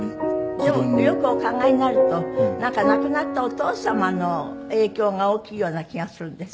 でもよくお考えになるとなんか亡くなったお父様の影響が大きいような気がするんです？